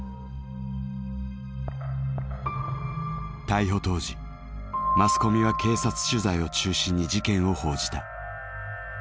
逮捕当時マスコミは警察取材を中心に事件を報じた。